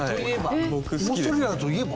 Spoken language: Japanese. オーストラリアといえば？